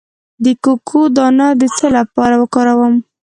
د کوکو دانه د څه لپاره وکاروم؟